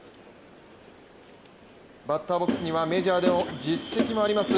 バッターボックスにはメジャーでも実績もあります